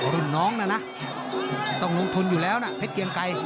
รุ่นน้องนะต้องลงทุนอยู่แล้วนะเพชรเกียงไกร